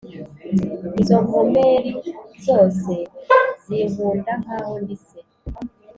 izo nkomeri zose zinkunda nk’aho ndi se